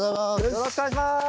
よろしくお願いします！